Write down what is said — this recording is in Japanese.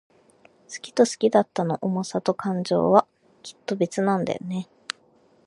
好きと好きだったの想さと感情は、きっと別なんだよね。